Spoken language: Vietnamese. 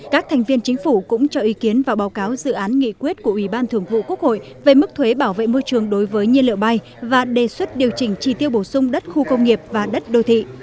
các thành viên chính phủ cũng cho ý kiến vào báo cáo dự án nghị quyết của ủy ban thường vụ quốc hội về mức thuế bảo vệ môi trường đối với nhiên liệu bay và đề xuất điều chỉnh chi tiêu bổ sung đất khu công nghiệp và đất đô thị